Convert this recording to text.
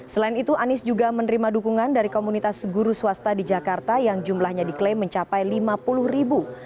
selain itu anies juga menerima dukungan dari komunitas guru swasta di jakarta yang jumlahnya diklaim mencapai lima puluh ribu